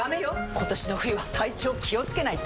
今年の冬は体調気をつけないと！